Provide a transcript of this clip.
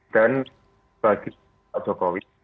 dan bagi jokowi